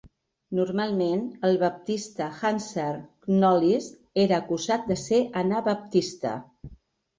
Normalment, el baptista Hanserd Knollys era acusat de ser anabaptista.